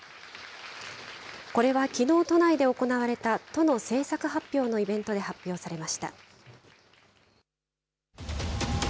これはきのう、都内で行われた都の政策発表のイベントで発表されました。